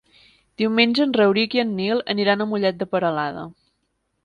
Diumenge en Rauric i en Nil aniran a Mollet de Peralada.